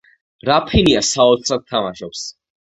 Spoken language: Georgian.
რაფინია საოცრად თამაშობს